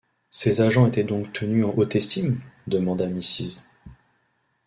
Ces agents étaient donc tenus en haute estime? demanda Mrs.